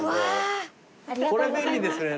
これ便利ですね。